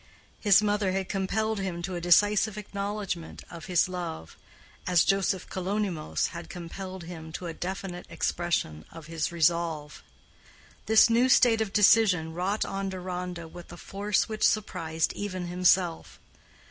His mother had compelled him to a decisive acknowledgment of his love, as Joseph Kalonymos had compelled him to a definite expression of his resolve. This new state of decision wrought on Deronda with a force which surprised even himself.